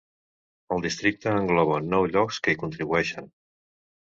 El districte engloba nou llocs que hi contribueixen.